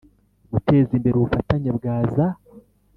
guteza imbere ubufatanye bwa za